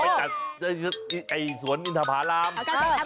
ไปจัดสวนอินทธาลัมน์